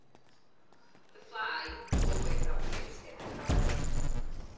The fly always outwits him, however.